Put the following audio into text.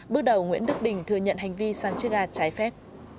bước đầu nguyễn đức đình thừa nhận hành vi xăng chiết ga trái phép